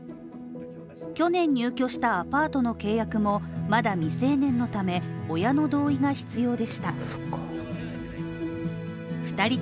去年入居したアパートの契約もまだ未成年のため、親の同意が必要でした。